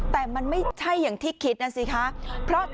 แต่มันไม่ใช่อย่างที่คิดนะสิคะ